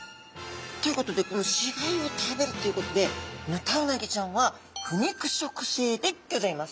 ということでこの死骸を食べるということでヌタウナギちゃんは腐肉食性でギョざいます。